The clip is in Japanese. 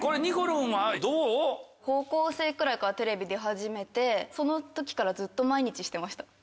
高校生くらいからテレビ出始めてその時からずっと毎日してました。